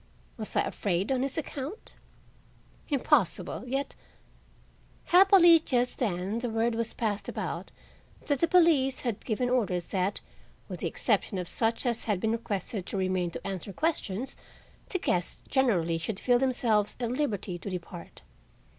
Was I afraid on his account? Impossible; yet— Happily just then the word was passed about that the police had given orders that, with the exception of such as had been requested to remain to answer questions, the guests generally should feel themselves at liberty to depart.